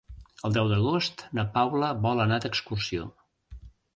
El deu d'agost na Paula vol anar d'excursió.